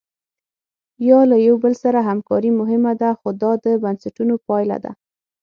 یا له یو بل سره همکاري مهمه ده خو دا د بنسټونو پایله ده.